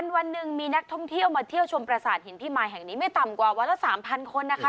วันหนึ่งมีนักท่องเที่ยวมาเที่ยวชมประสาทหินพิมายแห่งนี้ไม่ต่ำกว่าวันละ๓๐๐คนนะคะ